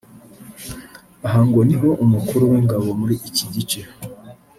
Aha ngo niho umukuru w’ingabo muri iki gice